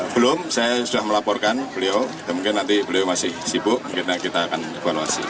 belum saya sudah melaporkan beliau dan mungkin nanti beliau masih sibuk kita akan evaluasi